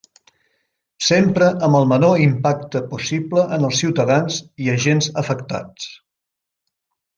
Sempre amb el menor impacte possible en els ciutadans i agents afectats.